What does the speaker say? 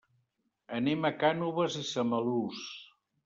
Anem a Cànoves i Samalús.